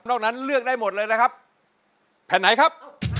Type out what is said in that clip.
นั้นเลือกได้หมดเลยนะครับแผ่นไหนครับ